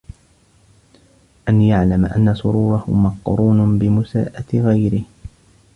أَنْ يَعْلَمَ أَنَّ سُرُورَهُ مَقْرُونٌ بِمُسَاءَةِ غَيْرِهِ